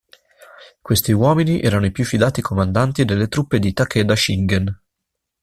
Questi uomini erano i più fidati comandanti delle truppe di Takeda Shingen.